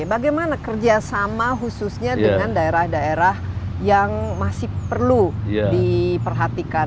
bagaimana kerjasama khususnya dengan daerah daerah yang masih perlu diperhatikan